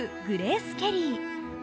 グレース・ケリー。